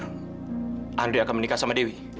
andre akan menikah sama dewi